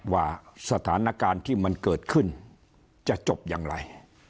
ว่าสถานการณ์ที่มันเกิดขึ้นจะจบอย่างไร